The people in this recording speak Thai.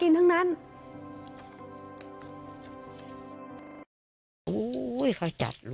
พี่นู่นอุดอล